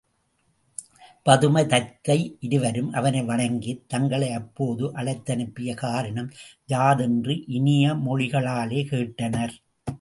பதுமை, தத்தை இருவரும் அவனை வணங்கித் தங்களை அப்போது அழைத்தனுப்பிய காரணம் யாதென்று இனிய மொழிகளாலே கேட்டனர்.